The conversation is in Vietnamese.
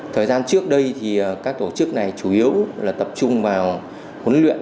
thời gian trước đây thì các tổ chức này chủ yếu là tập trung vào huấn luyện